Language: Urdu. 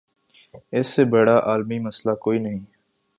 اس سے بڑا عالمی مسئلہ کوئی نہیں۔